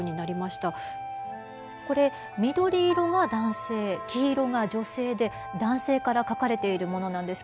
これ緑色が男性黄色が女性で男性から書かれているものなんです。